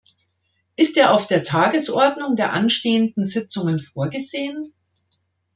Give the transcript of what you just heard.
Ist er auf der Tagesordnung der anstehenden Sitzungen vorgesehen?